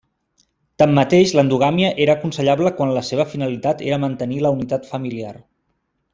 Tanmateix l'endogàmia era aconsellable quan la seva finalitat era mantenir la unitat familiar.